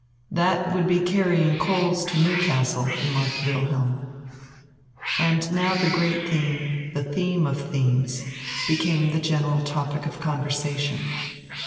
"That would be carrying coals to Newcastle," remarked Wilhelm. And now the great theme, the theme of themes, became the general topic of conversation.